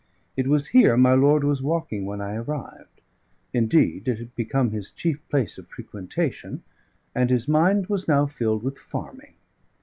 It was here my lord was walking when I arrived; indeed, it had become his chief place of frequentation, and his mind was now filled with farming.